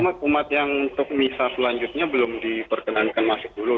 umat umat yang untuk misa selanjutnya belum diperkenankan masuk dulu